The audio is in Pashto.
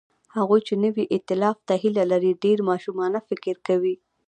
هغوی چې نوي ائتلاف ته هیله لري، ډېر ماشومانه فکر کوي.